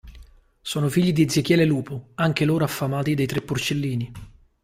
Sono i figli di Ezechiele Lupo, anche loro affamati dei tre porcellini.